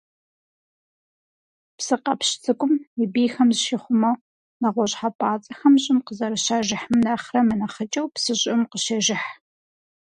Псыкъэпщ цӀыкӀум, и бийхэм зыщихъумэу, нэгъуэщӀ хьэпӀацӀэхэм щӀым къызэрыщажыхьым нэхърэ мынэхъыкӀэу псы щӀыӀум къыщежыхь.